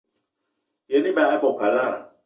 Yen ebag i bo kalada